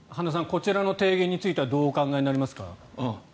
こちらの提言についてはどうお考えになりますか？